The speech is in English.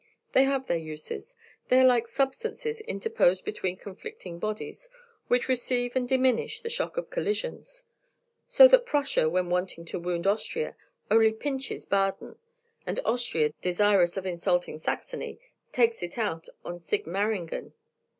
"They have their uses; they are like substances interposed between conflicting bodies, which receive and diminish the shock of collisions. So that Prussia, when wanting to wound Austria, only pinches Baden; and Austria, desirous of insulting Saxony, 'takes it out' on Sigmaringen."